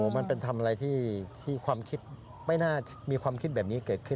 มันเป็นทำอะไรที่ความคิดไม่น่ามีความคิดแบบนี้เกิดขึ้น